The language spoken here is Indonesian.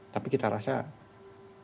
tapi kita rasa ya sudah cukup